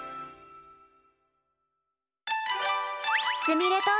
すみれと。